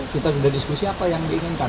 kita sudah diskusi apa yang diinginkan